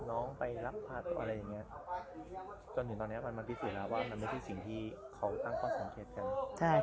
จนถึงตอนนี้มันมาพิสิทธิ์แล้วว่ามันไม่ใช่สิ่งที่เขาอ้างต้อนสังเกตกัน